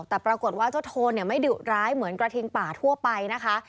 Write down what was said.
แต่ปรากฏว่าเจ้าโทนไม่ดุร้ายเหมือนกระทิงป่าทั่วไปนะคะ